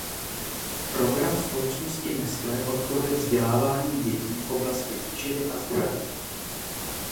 Program společnosti Nestlé podporuje vzdělávání dětí v oblasti výživy a zdraví.